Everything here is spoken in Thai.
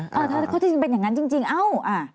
ถ้าข้อที่จริงเป็นอย่างนั้นจริงเอ้า